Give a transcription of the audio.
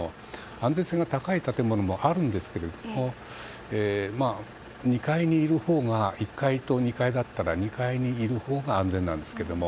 安全性が高い建物もあるんですけど１階と２階だったら２階にいるほうが安全なんですけれども。